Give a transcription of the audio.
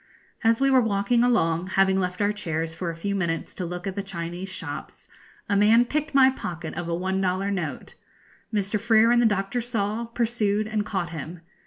As we were walking along, having left our chairs for a few minutes to look at the Chinese shops, a man picked my pocket of a one dollar note. Mr. Freer and the Doctor saw, pursued, and caught him.